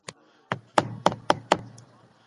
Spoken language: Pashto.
د ښځو حقونو ته په احمد شاه ابدالي وخت کي څنګه کتل کېدل؟